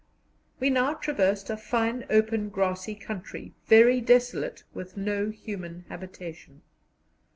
We now traversed a fine open grassy country, very desolate, with no human habitation.